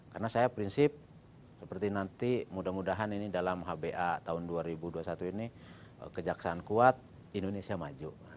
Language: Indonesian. karena saya prinsip seperti nanti mudah mudahan ini dalam hba tahun dua ribu dua puluh satu ini kejaksaan kuat indonesia maju